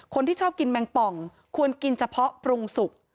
คนที่ชอบกินแมงป่องควรกินเฉพาะปรุงสุก